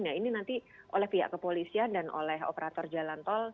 nah ini nanti oleh pihak kepolisian dan oleh operator jalan tol